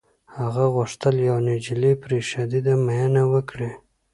هغه غوښتل یوه نجلۍ پرې شدیده مینه وکړي